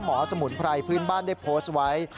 สมุนไพรพื้นบ้านได้โพสต์ไว้